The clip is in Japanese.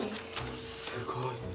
すごい。